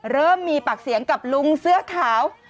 เริ่มมีปากเสียงกับลุงเสื้อขาว